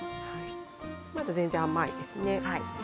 まだ全然甘いですね。